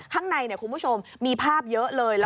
ข้างในคุณผู้ชมมีภาพเยอะเลย